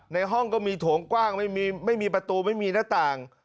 ในห้องก็มีโถงกว้างไม่มีประตูไม่มีหน้าต่าง